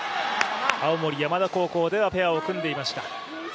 青森山田高校ではペアを組んでいました。